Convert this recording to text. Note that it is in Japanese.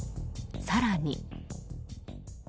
更に。